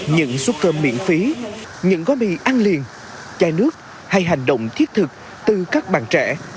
những suất cơm miễn phí những gói mì ăn liền chai nước hay hành động thiết thực từ các bạn trẻ